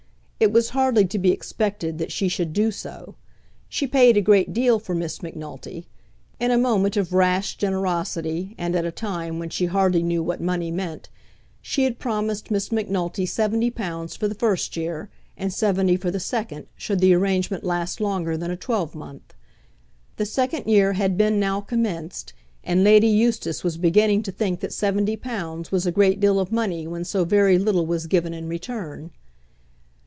It was hardly to be expected that she should do so. She paid a great deal for Miss Macnulty. In a moment of rash generosity, and at a time when she hardly knew what money meant, she had promised Miss Macnulty seventy pounds for the first year, and seventy for the second, should the arrangement last longer than a twelvemonth. The second year had been now commenced, and Lady Eustace was beginning to think that seventy pounds was a great deal of money when so very little was given in return.